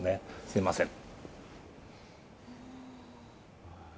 すいません